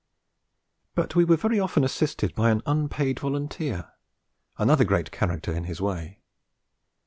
But we were very often assisted by an unpaid volunteer, another great character in his way.